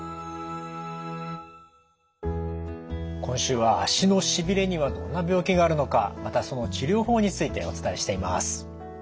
今週は足のしびれにはどんな病気があるのかまたその治療法についてお伝えしています。